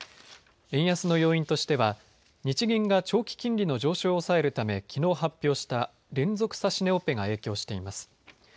円安の要因としては日銀が長期金利の上昇を抑えるためきのう発表した連続指値オペが影響しています。